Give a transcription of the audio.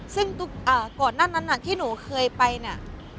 ซึ่งก่อนหน้านั้นที่หนูเคยไปเนี่ย